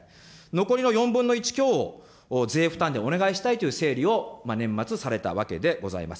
残りの４分の１強を税負担でお願いしたいという整理を、年末、されたわけであります。